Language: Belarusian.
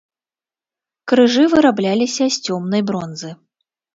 Крыжы вырабляліся з цёмнай бронзы.